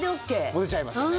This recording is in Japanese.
持てちゃいますよね。